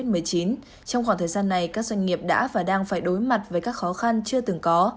trong khoảng thời gian này các doanh nghiệp đã và đang phải đối mặt với các khó khăn chưa từng có